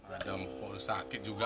ada mau sakit juga